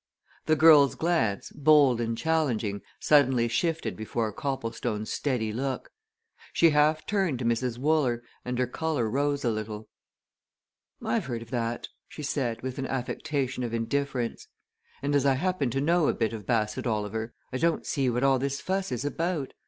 The girl's glance, bold and challenging, suddenly shifted before Copplestone's steady look. She half turned to Mrs. Wooler, and her colour rose a little. "I've heard of that," she said, with an affectation of indifference. "And as I happen to know a bit of Bassett Oliver, I don't see what all this fuss is about.